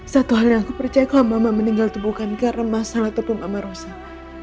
satu hal yang aku percaya kalo mama meninggal itu bukan karena masalah atau mama rosak